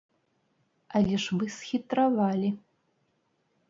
Але ж вы схітравалі!